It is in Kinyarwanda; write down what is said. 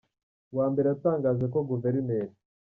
wa Mbere yatangaje ko Guverineri.